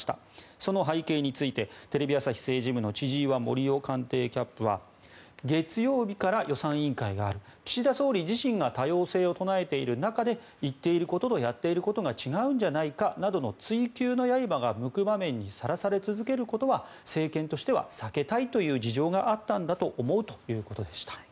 その背景についてテレビ朝日政治部の千々岩森生官邸キャップは月曜日から予算委員会がある岸田総理自身が多様性を唱えている中で言っていることとやっていることが違うんじゃないかなどの追及の刃が向く場面にさらされ続けることは政権としては避けたいという事情があったんだと思うということでした。